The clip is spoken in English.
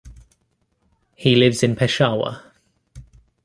He lives in Peshawar.